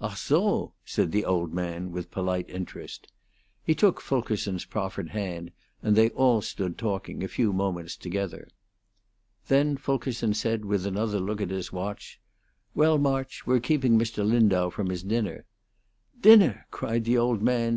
"Ah! zo?" said the old man, with polite interest. He took Fulkerson's proffered hand, and they all stood talking a few moments together. Then Fulkerson said, with another look at his watch, "Well, March, we're keeping Mr. Lindau from his dinner." "Dinner!" cried the old man.